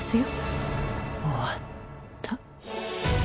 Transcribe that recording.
終わった。